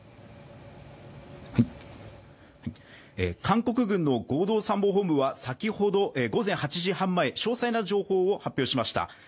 韓国軍の合同参謀本部は先ほど午前８時半前詳細な情報を発表しました。